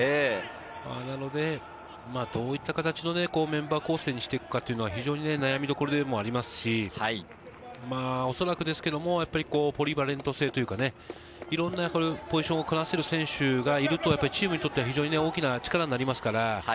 なので、どういった形のメンバー構成にしていくか悩みどころでもありますし、おそらくですけれども、ポリバレント性というか、いろんなポジションをこなせる選手がいると、チームにとっては非常に大きな力になりますから。